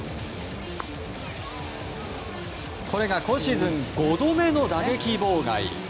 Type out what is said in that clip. これが今シーズン５度目の打撃妨害。